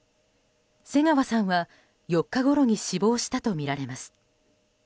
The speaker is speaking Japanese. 瀬川さんは４日ごろに死亡したとみられます。